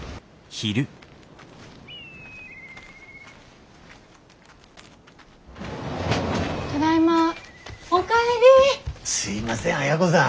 すいません亜哉子さん